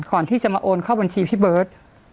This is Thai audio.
ก่อนที่จะมาโอนเข้าบัญชีพี่เบิร์ต